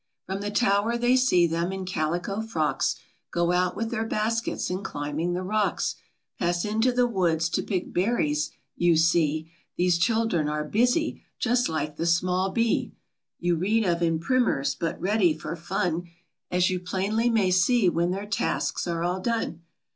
From the tower they see them, in calico frocks, Go out with their baskets, and climbing the rocks, Pass into the woods to pick berries. You see These children are busy, just like the small bee QUEEN DISCONTENT. 55 You read of in primers, but ready for fun, As you plainly may see, when their tasks are all done.